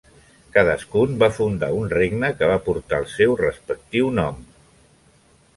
Cadascun va fundar un regne que va portar el seu respectiu nom.